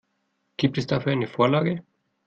Gibt es dafür eine Vorlage?